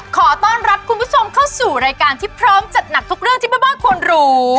ขอต้อนรับคุณผู้ชมเข้าสู่รายการที่พร้อมจัดหนักทุกเรื่องที่แม่บ้านควรรู้